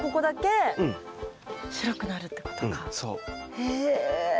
へえ。